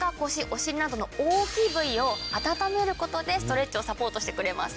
お尻などの大きい部位を温める事でストレッチをサポートしてくれます。